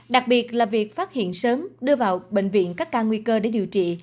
đặc biệt là việc phát hiện sớm đưa vào bệnh viện các ca nguy cơ để điều trị